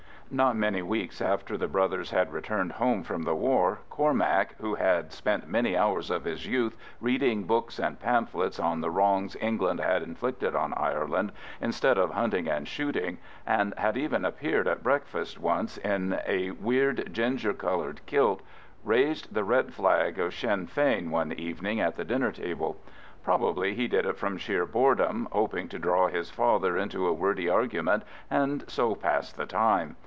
Not many weeks after the brothers had returned home from the war, Cormac, who had spent many hours of his youth reading books and pamphlets on the wrongs England had inflicted on Ireland instead of hunting and shooting, and had even appeared at breakfast once in a weird ginger coloured kilt, raised the red flag of Sinn Fein one evening at the dinner table. Probably he did it from sheer boredom, hoping to draw his father into a wordy argument and so pass the time.